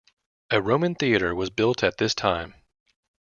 A Roman theatre was built at this time.